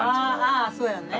ああそうやね。